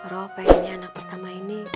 roh pengennya anak pertama ini